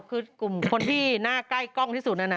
คือกลุ่มคนที่หน้าควะใกล้กล้องที่สุดนั่น